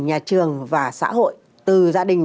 nhà trường và xã hội từ gia đình